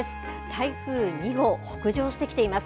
台風２号、北上してきています。